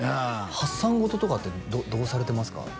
発散ごととかってどうされてますか？